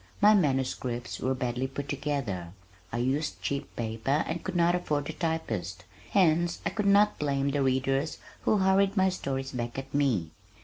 My manuscripts were badly put together (I used cheap paper and could not afford a typist), hence I could not blame the readers who hurried my stories back at me.